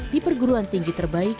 di perguruan tinggi terbaik